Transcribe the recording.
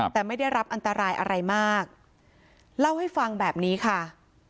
แต่ไม่ได้รับอันตรายอะไรมากเล่าให้ฟังแบบนี้ค่ะ